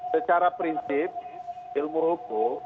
secara prinsip ilmu hukum